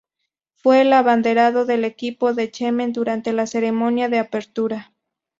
Fue el abanderado del equipo de Yemen durante la ceremonia de apertura.